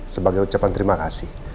sebagai ucapan terima kasih